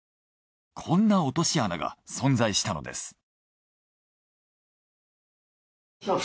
こんな落とし穴が存在したのです。